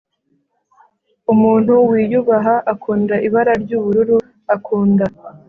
umuntu wiyubaha, akunda ibara ryubururu, akunda